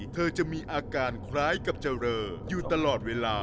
เธอจะมีอาการคล้ายกับเจริญอยู่ตลอดเวลา